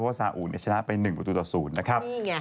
เพราะว่าสาอุชนะไป๑ประตูต่อ๐นะครับ